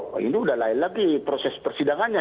wah ini udah lain lagi proses persidangannya